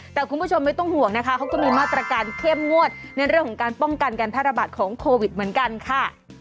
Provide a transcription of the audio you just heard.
แต่คุณผู้ชมไม่ต้องห่วงนะคะเขาก็มีมาตรการเข้มงวดในเรื่องของการป้องกันการแพร่ระบาดของโควิดเหมือนกันค่ะ